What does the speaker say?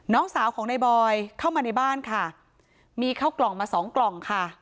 น้องสาวของในบอยเข้ามาในบ้านค่ะมีเข้ากล่องมาสองกล่องค่ะ